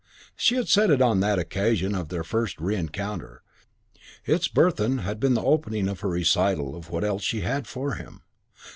She had said it on that occasion of their first reëncounter; its burthen had been the opening of her recital of what else she had for him.